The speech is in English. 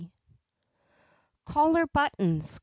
C ollar buttons!